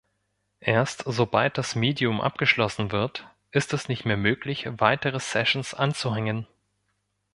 Erst sobald das Medium abgeschlossen wird, ist es nicht mehr möglich weitere Sessions anzuhängen.